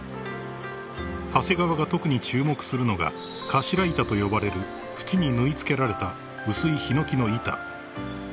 ［長谷川が特に注目するのが頭板と呼ばれる縁に縫い付けられた薄いヒノキの板］